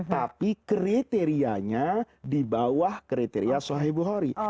tapi kriterianya di bawah kriteria sohih bukhori